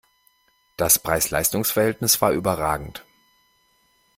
Das Preis-Leistungs-Verhältnis war überragend!